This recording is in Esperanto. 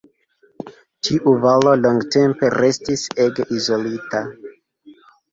Tiu valo longtempe restis ege izolita.